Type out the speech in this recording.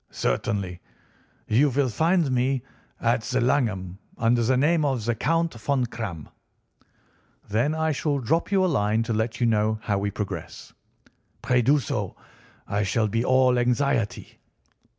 "Certainly. You will find me at the Langham under the name of the Count Von Kramm." "Then I shall drop you a line to let you know how we progress." "Pray do so. I shall be all anxiety."